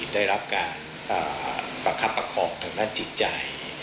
ได้รับการประคับประคองทางด้านจิตใจ